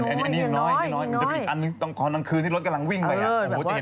มันมีอีกอันธิ์ที่รถกำลังวิ่งไปนั่น